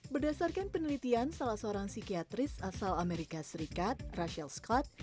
berdasarkan penelitian salah seorang psikiatris asal amerika serikat rachel scott